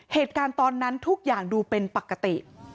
เหตุการณ์ตอนนั้นทุกอย่างดูเป็นปกติ